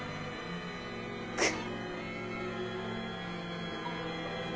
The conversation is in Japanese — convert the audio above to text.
くっ。